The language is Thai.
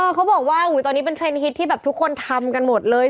เขาบอกว่าตอนนี้เป็นเทรนดฮิตที่แบบทุกคนทำกันหมดเลย